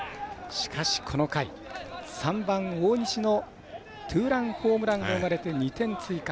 しかし、この回、３番、大西のツーランホームランが生まれて２点追加。